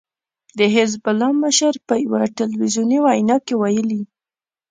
د حزب الله مشر په يوه ټلويزیوني وينا کې ويلي